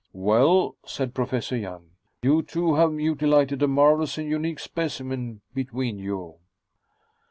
"Well," said Professor Young, "you two have mutilated a marvelous and unique specimen between you."